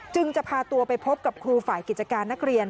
จึงจะพาตัวไปพบกับครูฝ่ายกิจการนักเรียน